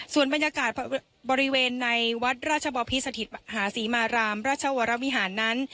ส่วนบรรยากาศบริเวณในวัดราชบพิสถิตมหาศรีมารามราชวรวิหารนั้น